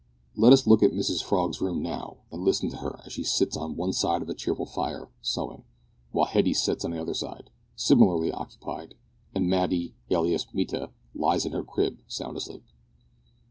Let us look at Mrs Frog's room now, and listen to her as she sits on one side of a cheerful fire, sewing, while Hetty sits on the other side, similarly occupied, and Matty, alias Mita, lies in her crib sound asleep.